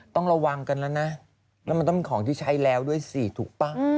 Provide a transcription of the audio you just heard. ต้องระวังกันแล้วนะแล้วมันต้องเป็นของที่ใช้แล้วด้วยสิถูกป่ะ